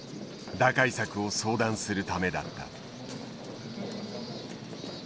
打開策を相談するためだった。